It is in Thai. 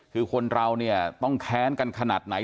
คือคนเราเนี่ยต้องแค้นกันขนาดไหน